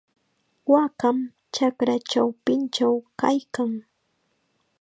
Waakam chakra chawpinchaw kaykan.